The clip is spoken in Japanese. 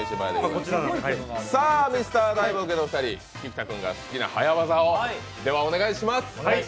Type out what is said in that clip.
ミスター大冒険のお二人菊田君が好きな早業をお願いします。